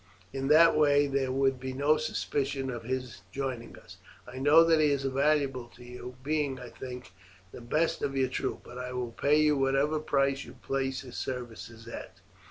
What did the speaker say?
In that way there would be no suspicion of his having joined us. I know that he is valuable to you, being, I think, the best of your troop, but I will pay you whatever price you place his services at."